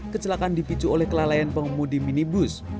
kecelakaan dipicu oleh kelalaian pengemudi minibus